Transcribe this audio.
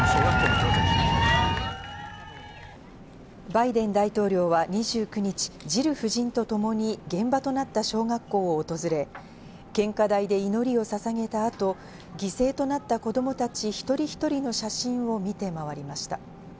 バイデン大統領は２９日、ジル夫人とともに現場となった小学校を訪れ、献花台で祈りをささげた後、犠牲となった子供たち、一人一人の写真を見て回りました。